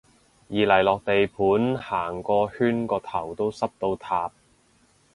二嚟落地盤行個圈個頭都濕到塌